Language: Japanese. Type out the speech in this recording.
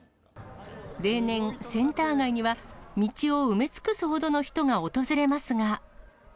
例年、センター街には道を埋め尽くすほどの人が訪れますが。